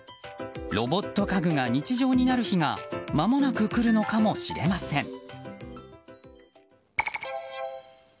ロボット家具が日常になる日がまもなく来るのかもしれません。